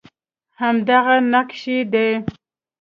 همدغه نقش یې دی